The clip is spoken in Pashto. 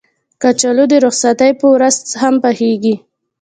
کچالو د رخصتۍ په ورځ هم پخېږي